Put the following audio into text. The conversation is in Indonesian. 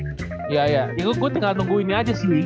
gue tinggal nunggu ini aja sih